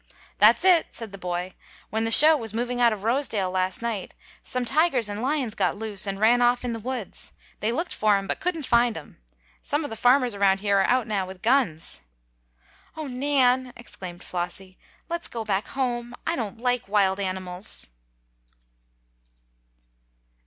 "That's it!" said the boy. "When the show was moving out of Rosedale last night, some tigers and lions got loose, and ran off in the woods. They looked for 'em, but couldn't find 'em. Some of the farmers around here are out now with guns." "Oh, Nan!" exclaimed Flossie. "Let's go back home! I don't like wild animals!"